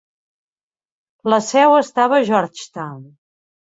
La seu estava a Georgetown.